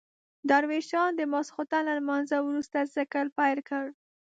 درویشان د ماخستن له لمانځه وروسته ذکر پیل کړ.